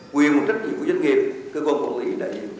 quyền và trách nhiệm của doanh nghiệp cơ quan quản lý đại diện chủ sự